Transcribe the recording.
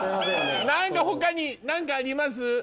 何か他に何かあります？